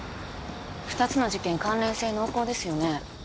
二つの事件関連性濃厚ですよね